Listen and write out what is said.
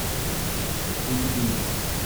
Et l’UDI